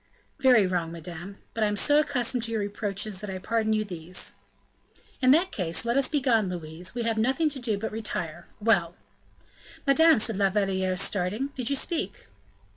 "Very wrong, madame; but I am so accustomed to your reproaches, that I pardon you these." "In that case, let us begone, Louise; we have nothing to do but retire. Well!" "Madame!" said La Valliere starting, "did you speak?"